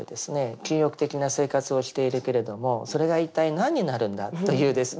禁欲的な生活をしているけれどもそれが一体何になるんだというですね